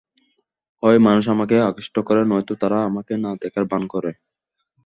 হয় মানুষ আমাকে আকৃষ্ট করে, নয়তো তারা আমাকে না দেখার ভান করে।